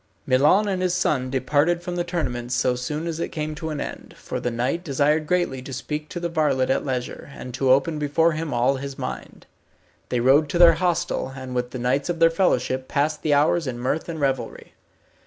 Milon and his son departed from the tournament so soon as it came to an end, for the knight desired greatly to speak to the varlet at leisure, and to open before him all his mind. They rode to their hostel, and with the knights of their fellowship, passed the hours in mirth and revelry.